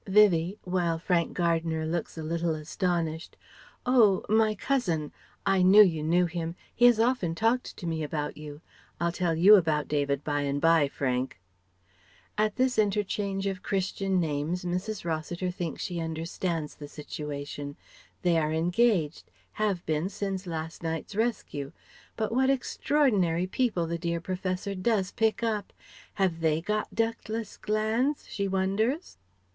Vivie (while Frank Gardner looks a little astonished): "Oh my cousin. I knew you knew him. He has often talked to me about you. I'll tell you about David by and bye, Frank." At this interchange of Christian names Mrs. Rossiter thinks she understands the situation: they are engaged, have been since last night's rescue. But what extraordinary people the dear Professor does pick up! Have they got ductless glands, she wonders?